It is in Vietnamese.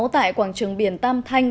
tại quảng trường biển tam thanh